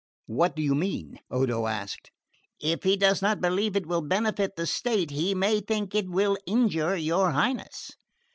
"What do you mean?" Odo asked. "If he does not believe it will benefit the state he may think it will injure your Highness."